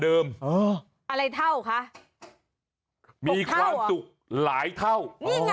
เออเค้ามีคำว่าเท่า